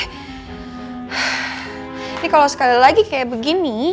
ini kalau sekali lagi kayak begini